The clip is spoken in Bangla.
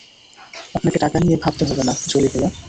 আপনাকে টাকা নিয়ে ভাবতে হবে না, জলি ভাইয়া।